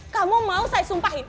kamu mau saya sumpahin